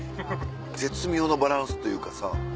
絶妙のバランスというかさ。